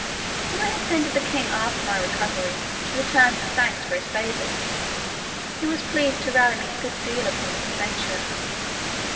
When I attended the king after my recovery, to return him thanks for his favours, he was pleased to rally me a good deal upon this adventure.